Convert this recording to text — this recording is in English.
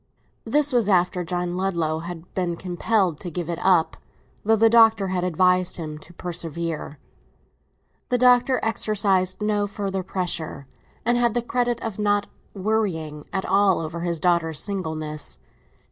This was after John Ludlow had been compelled to give it up, though the Doctor had advised him to persevere. The Doctor exercised no further pressure, and had the credit of not "worrying" at all over his daughter's singleness.